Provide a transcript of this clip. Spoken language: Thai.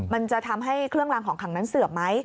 มันจะทำให้เครื่องรางของขังนั้นเสื่อมไหม